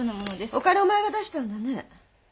お金お前が出したんだね？